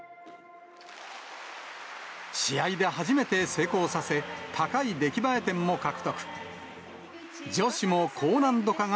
試合で初めて成功させ、高い出来栄え点も獲得。